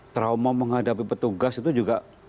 trauma menghadapi petugas itu juga